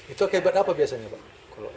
itu akibat apa biasanya pak